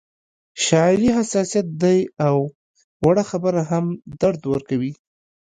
شاعري حساسیت دی او وړه خبره هم درد ورکوي